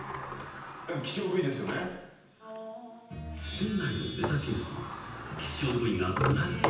［店内のネタケースには希少部位がずらり］